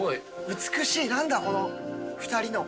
美しい、なんだ、この２人の。